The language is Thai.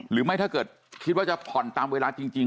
หรือไม่ถ้าเกิดคิดว่าจะผ่อนตามเวลาจริง